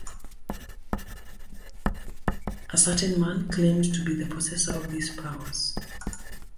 A certain man claimed to be the possessor of these powers.